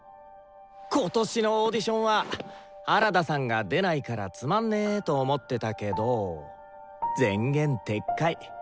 今年のオーディションは原田さんが出ないからつまんねと思ってたけど前言撤回。